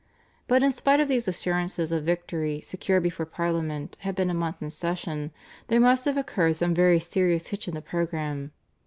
But in spite of these assurances of victory secured before Parliament had been a month in session, there must have occurred some very serious hitch in the programme.